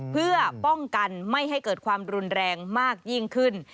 เพื่อป้องกันไม่ให้เกิดความรุนแรงมากยิ่งขึ้น